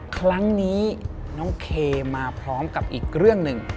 ครั้งนี้น้องเคมาพร้อมกับอีกเรื่องหนึ่ง